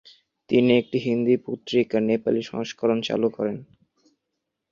তিনি একটি হিন্দি পত্রিকার নেপালি সংস্করণ চালু করেন।